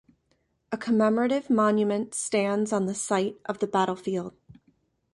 A commemorative monument stands on the site of the battlefield.